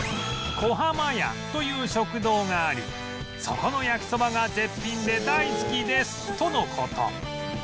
「こはまやという食堂がありそこの焼きそばが絶品で大好きです」との事